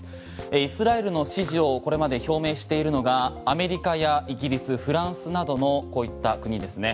イスラエルの支持をこれまで表明しているのがアメリカやイギリスフランスなどのこういった国ですね。